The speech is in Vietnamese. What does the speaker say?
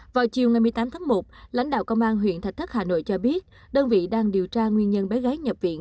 vào chiều ngày một mươi tám tháng một lãnh đạo công an huyện thạch thất hà nội cho biết đơn vị đang điều tra nguyên nhân bé gái nhập viện